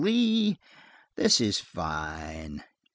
Lee, this is fine."